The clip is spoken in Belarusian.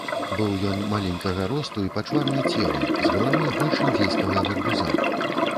Быў ён маленькага росту і пачварны целам, з галавой больш індзейскага гарбуза.